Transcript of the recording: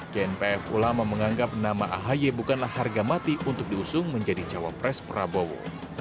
gnpf ulama menganggap nama ahi bukanlah harga mati untuk diusung menjadi cawapres prabowo